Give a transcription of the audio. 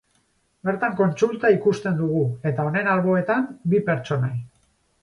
Bertan kontsula ikusten dugu eta honen alboetan bi pertsonai.